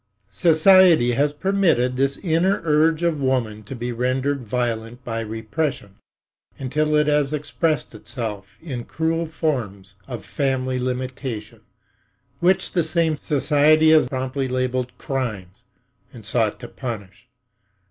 Society has permitted this inner urge of woman to be rendered violent by repression until it has expressed itself in cruel forms of family limitation, which this same society has promptly labeled "crimes" and sought to punish.